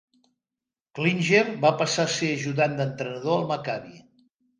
Klinger va passar a ser ajudant d'entrenador al Maccabi.